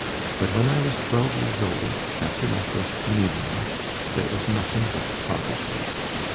But when I was twelve years old, after my first communion, there was nothing but poverty.